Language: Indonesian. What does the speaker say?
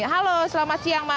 halo selamat siang mas